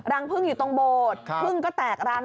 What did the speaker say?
รังเพิ่งอยู่ตรงโบสถ์เพิ่งก็แตกรัง